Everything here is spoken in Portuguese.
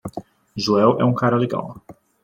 Joel é um cara legal.